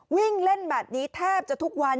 วิ่งเล่นแบบนี้แทบจะทุกวัน